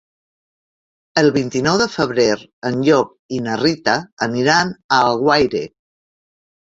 El vint-i-nou de febrer en Llop i na Rita aniran a Alguaire.